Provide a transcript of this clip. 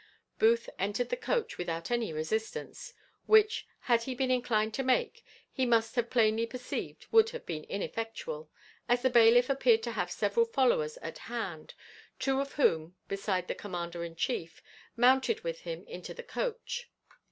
Booth entered the coach without any resistance, which, had he been inclined to make, he must have plainly perceived would have been ineffectual, as the bailiff appeared to have several followers at hand, two of whom, beside the commander in chief, mounted with him into the coach.